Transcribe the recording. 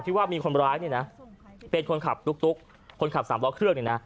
ถ้ามีคนร้ายเป็นคนขับตุ๊กคนขับสามล้อเครื่อง